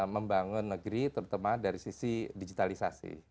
membangun negeri terutama dari sisi digitalisasi